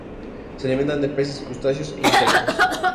Se alimentan de peces, crustáceos e insectos.